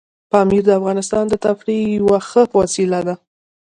پامیر د افغانانو د تفریح یوه ښه وسیله ده.